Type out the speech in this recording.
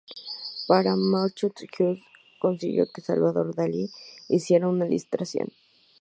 Para su "Marche joyeuse" consiguió que Salvador Dalí hiciera una ilustración.